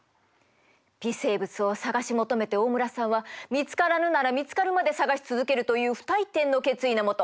微生物を探し求めて大村さんは見つからぬなら見つかるまで探し続けるという不退転の決意の下